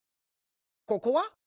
ここは？